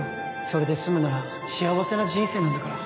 それで済むなら幸せな人生なんだから